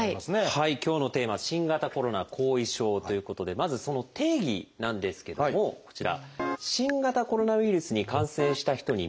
はい今日のテーマ「新型コロナ後遺症」ということでまずその定義なんですけどもこちら。